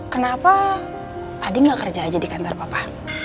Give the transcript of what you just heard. kenapa adi nggak kerja aja di kantor papa